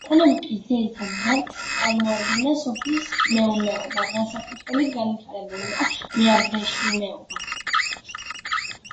ეკონომიკის ძირითად დარგს წარმოადგენდა სოფლის მეურნეობა, განსაკუთრებით განვითარებული იყო მეაბრეშუმეობა.